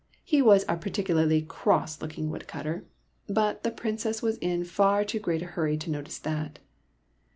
He was a particularly cross looking woodcutter, but the Princess was in far too great a hurry to notice that.